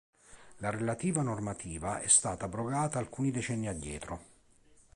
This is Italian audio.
La relativa normativa è stata abrogata alcuni decenni addietro.